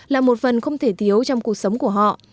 là một phần không thể thiếu trong cuộc sống của họ